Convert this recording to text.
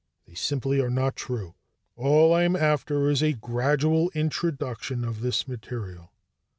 They simply are not true. All I'm after is a gradual introduction of this material."